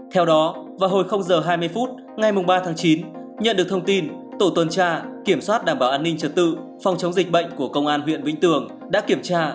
theo đó vào hồi h hai mươi phút ngay mùng ba tháng chín nhận được thông tin tổ tuần tra kiểm soát đảm bảo an ninh trật tự